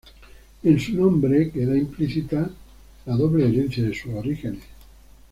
En su nombre queda implícita la doble herencia de sus orígenes.